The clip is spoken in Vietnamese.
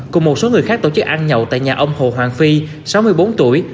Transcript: cùng một số người khác tổ chức ăn nhậu tại nhà ông hồ hoàng phi sáu mươi bốn tuổi